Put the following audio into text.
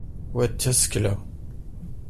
wa d tasekla